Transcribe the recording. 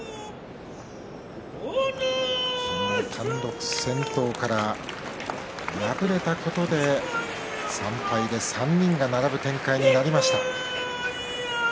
単独先頭から敗れたことで３敗で３人が並ぶ展開になりました。